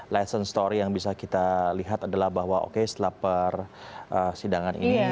lesson story yang bisa kita lihat adalah bahwa oke setelah persidangan ini